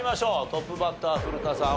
トップバッター古田さん